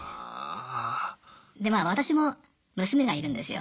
でまあ私も娘がいるんですよ。